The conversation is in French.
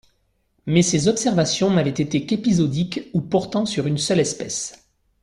Mais ces observations n'avaient été qu'épisodiques ou portant sur une seule espèce.